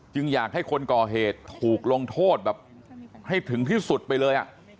อยากให้คนก่อเหตุถูกลงโทษแบบให้ถึงที่สุดไปเลย